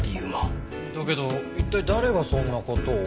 だけど一体誰がそんな事を？